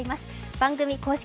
番組公式